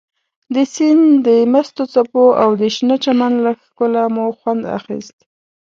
د سیند د مستو څپو او د شنه چمن له ښکلا مو خوند اخیست.